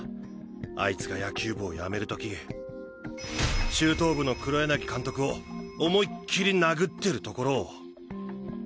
あいつが野球部をやめるとき中等部の黒柳監督を思いっきり殴ってるところを。